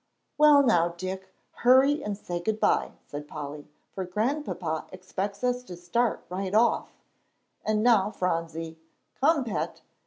"Well now, Dick, hurry and say good by," said Polly, "for Grandpapa expects us to start right off. And now, Phronsie. Come, pet!"